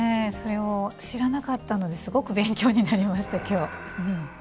それを知らなかったのですごく勉強になりました。